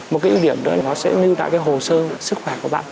một cái ưu điểm nữa là nó sẽ lưu lại cái hồ sơ sức khỏe của bạn